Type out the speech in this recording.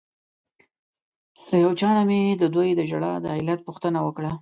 له یو چا نه مې ددوی د ژړا د علت پوښتنه وکړه.